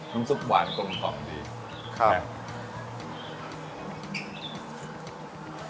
นุ่มซุปหวานกลมหอมดีครับ